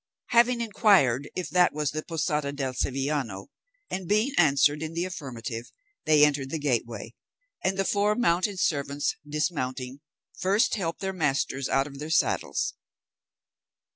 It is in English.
Having inquired if that was the Posada del Sevillano, and being answered in the affirmative, they entered the gateway, and the four mounted servants, dismounting, first helped their master's out of their saddles.